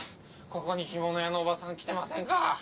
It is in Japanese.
ここに干物屋のおばさん来てませんか？